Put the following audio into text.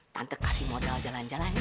tante kasih modal jalan jalan